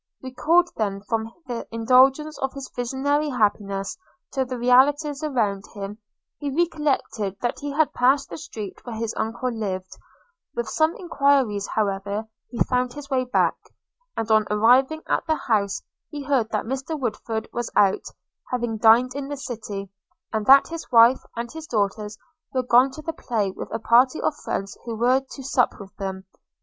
Recalled then from the indulgence of his visionary happiness to the realities around him, he recollected that he had passed the street where his uncle lived: with some enquiries, however, he found his way back; and, on arriving at the house, he heard that Mr Woodford was out, having dined in the city; and that his wife and his daughters were gone to the play with a party of friends who were to sup with them.